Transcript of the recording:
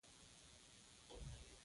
پانګې راکدې پاتې شي.